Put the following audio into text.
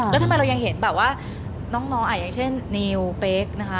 แล้วทำไมเรายังเห็นแบบว่าน้องอย่างเช่นนิวเป๊กนะคะ